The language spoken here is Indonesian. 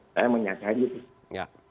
saya menyadari itu